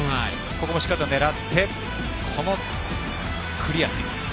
ここもしっかり狙ってクリア。